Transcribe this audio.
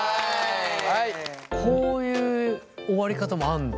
こういう終わり方もあんの。